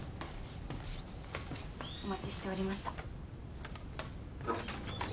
お待ちしておりました。